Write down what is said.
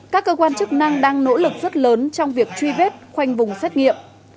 các cơ quan chức năng đang nỗ lực rất lớn trong việc truy vết khoanh vùng xét nghiệm